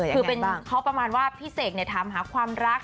คือเป็นเขาประมาณว่าพี่เสกเนี่ยถามหาความรัก